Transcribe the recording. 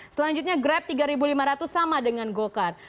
selanjutnya grab tiga lima ratus sama dengan go kart